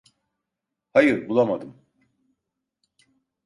Hayır, bulamadım.